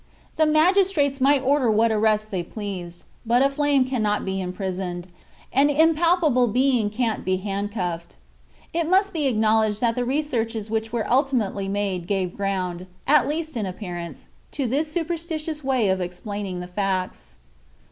The magistrates might order what arrests they pleased, but a flame cannot be imprisoned, an impalpable being can't be handcuffed. It must be acknowledged that the researches which were ultimately made gave ground, at least in appearance, to this superstitious way of explaining the facts.